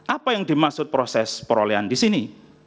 apa yang dimaksud proses perolehan disini